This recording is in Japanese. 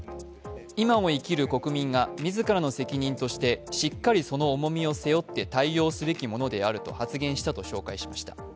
今を生きる国民が自らの責任としてしっかりその重みを背負って対応すべきものであると発言したと紹介しました。